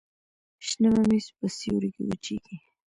شنه ممیز په سیوري کې وچیږي.